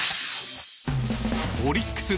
オリックス